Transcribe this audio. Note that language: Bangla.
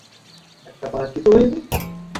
আমি আমার চায়ের আসক্তি থেকে বুঝতে পারছি সেটা!